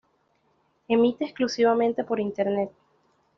Emite exclusivamente por internet.